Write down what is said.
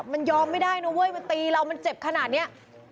มันยอมไม่ได้นะเว้ยมันตีเรามันเจ็บขนาดนี้